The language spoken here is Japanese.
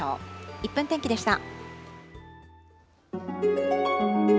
１分天気でした。